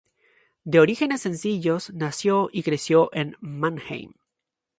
De orígenes sencillos nació y creció en Mannheim.